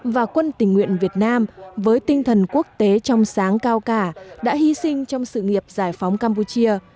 và quân tình nguyện việt nam với tinh thần quốc tế trong sáng cao cả đã hy sinh trong sự nghiệp giải phóng campuchia